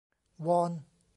วอน